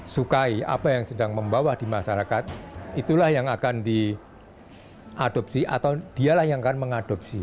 sukai apa yang sedang membawa di masyarakat itulah yang akan diadopsi atau dialah yang akan mengadopsi